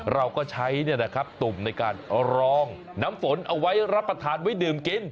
เราก็ใช้ตุ่มในการรองน้ำฝนเอาไว้รับประทานไว้ดื่มกิน